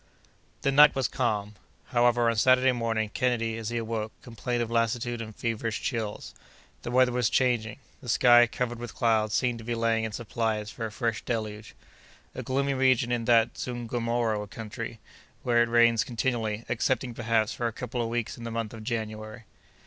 The night was calm. However, on Saturday morning, Kennedy, as he awoke, complained of lassitude and feverish chills. The weather was changing. The sky, covered with clouds, seemed to be laying in supplies for a fresh deluge. A gloomy region is that Zungomoro country, where it rains continually, excepting, perhaps, for a couple of weeks in the month of January.